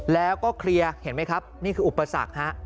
แล้วก็เคลียร์เห็นไหมครับนี่คืออุปสรรคฮะ